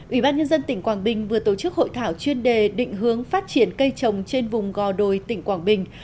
ủy ban nhân dân tỉnh quảng bình vừa tổ chức hội thảo chuyên đề định hướng phát triển cây trồng trên vùng gò đồi tỉnh quảng bình